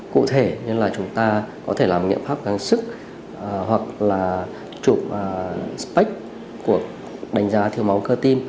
cụ thể như là chúng ta có thể làm nghiệm pháp gáng sức hoặc là chụp spac của đánh giá thiếu máu cơ tim